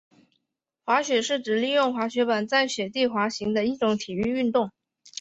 滑雪是指利用滑雪板在雪地滑行的一种体育运动。